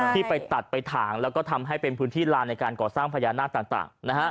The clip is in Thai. ที่ไปตัดไปถ่างแล้วก็ทำให้เป็นพื้นที่ลานในการก่อสร้างพญานาคต่าง